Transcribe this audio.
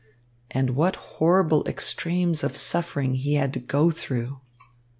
And what horrible extremes of suffering he had to go through!